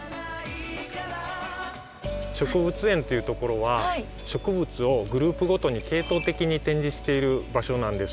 植物園っていうところは植物をグループごとに系統的に展示している場所なんです。